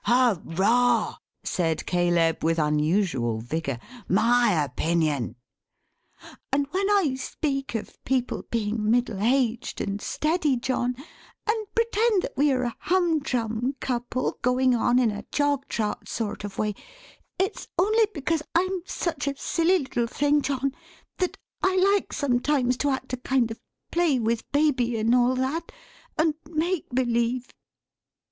"Hooroar!" said Caleb with unusual vigour. "My opinion!" "And when I speak of people being middle aged, and steady, John, and pretend that we are a humdrum couple, going on in a jog trot sort of way, it's only because I'm such a silly little thing, John, that I like, sometimes, to act a kind of Play with Baby, and all that: and make believe."